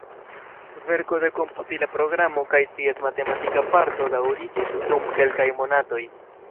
Verko de komputila programo kaj ties matematika parto daŭriĝis dum kelkaj monatoj.